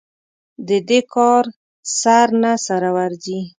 د دې کار سر نه سره ورځي.